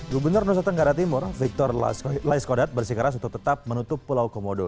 gubernur nusa tenggara timur victor laiskodat bersikeras untuk tetap menutup pulau komodo